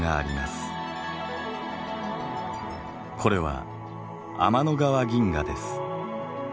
これは天の川銀河です。